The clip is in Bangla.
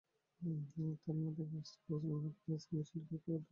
থেলমা আমাকে আসতে বলেছিল, হার্ট পেসিং মেশিনটি পরীক্ষা করতে বলেছে।